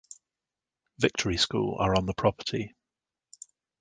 Victory School are on the property.